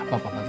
pak pak bapak